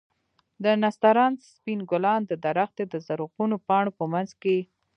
د نسترن سپين ګلان د درختې د زرغونو پاڼو په منځ کښې.